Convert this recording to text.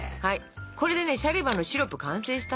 これでねシャリバのシロップ完成したの。